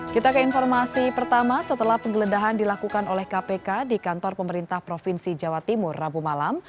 kita ke informasi pertama setelah penggeledahan dilakukan oleh kpk di kantor pemerintah provinsi jawa timur rabu malam